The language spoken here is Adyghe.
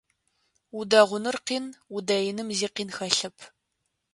Удэгъуныр къин, удэиным зи къин хэлъэп.